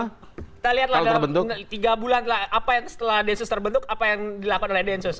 kita lihatlah dalam tiga bulan setelah densus terbentuk apa yang dilakukan oleh densus